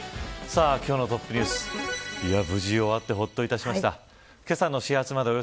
今日のトップニュース無事終わってほっといたしました。